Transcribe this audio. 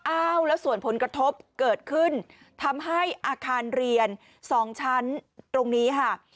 อ้าวแล้วส่วนผลกระทบเกิดขึ้นทำให้อาคารเรียน๒ชั้นตรงนี้ค่ะ